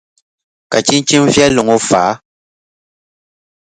Ka chinchini viɛlli ŋɔ fa?